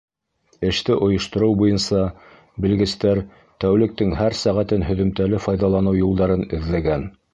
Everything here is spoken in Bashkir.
Эште ойоштороу буйынса белгестәр тәүлектең һәр сәғәтен һөҙөмтәле файҙаланыу юлдарын эҙләгән.